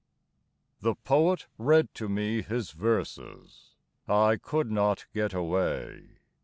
HE Poet read to me his verses (I could not get away).